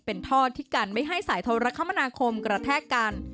เป็นท่อที่กันไม่ให้สายโทรคมนาคมกระแทกกัน